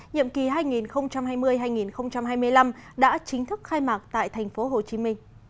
nhiệm kỳ hai nghìn hai mươi hai nghìn hai mươi năm đã chính thức khai mạc tại tp hcm